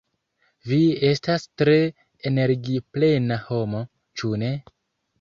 "Vi estas tre energiplena homo, ĉu ne?"